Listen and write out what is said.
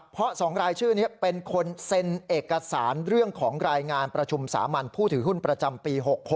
เพราะ๒รายชื่อนี้เป็นคนเซ็นเอกสารเรื่องของรายงานประชุมสามัญผู้ถือหุ้นประจำปี๖๖